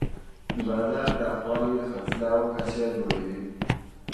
د بازار پراخوالی د خرڅلاو کچه لوړوي.